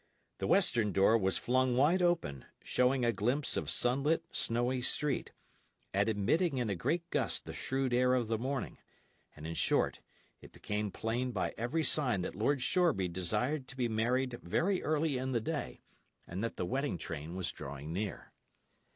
The western door was flung wide open, showing a glimpse of sunlit, snowy street, and admitting in a great gust the shrewd air of the morning; and in short, it became plain by every sign that Lord Shoreby desired to be married very early in the day, and that the wedding train was drawing near.